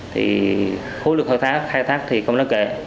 thì khối lực khai thác thì không đáng kể